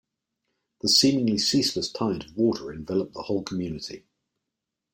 The seemingly ceaseless tide of water enveloped the whole community.